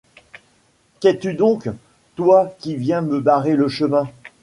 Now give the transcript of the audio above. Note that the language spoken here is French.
Qu’es-tu donc, toi qui viens me barrer le chemin